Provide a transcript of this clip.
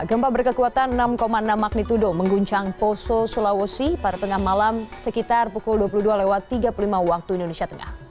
gempa berkekuatan enam enam magnitudo mengguncang poso sulawesi pada tengah malam sekitar pukul dua puluh dua tiga puluh lima waktu indonesia tengah